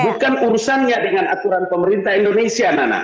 bukan urusannya dengan aturan pemerintah indonesia nana